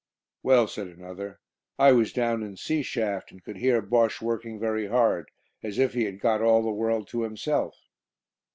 "Well," said another, "I was down in C shaft, and could hear Bosche working very hard, as if he had got all the world to himself."